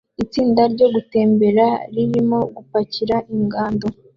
Itsinda ryo gutembera ririmo gupakira ingando